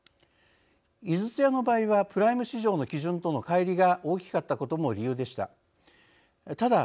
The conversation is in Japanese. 井筒屋の場合はプライム市場の基準とのかい離が大きかったことも理由でした。